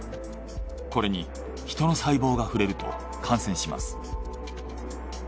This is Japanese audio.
これに人の細胞が触れると感染します。